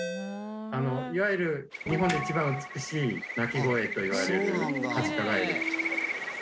いわゆる日本で一番美しい鳴き声といわれるカジカガエル。